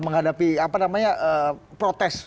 menghadapi apa namanya protes